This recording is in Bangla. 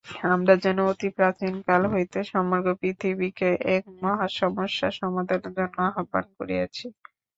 আমরা যেন অতি প্রাচীনকাল হইতে সমগ্র পৃথিবীকে এক মহাসমস্যা সমাধানের জন্য আহ্বান করিয়াছি।